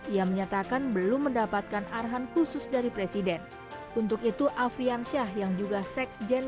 ia menyatakan belum mendapatkan arahan khusus dari presiden untuk itu afrian syah yang juga sekjen